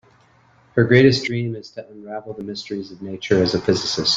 Her greatest dream is to unravel the mysteries of nature as a physicist.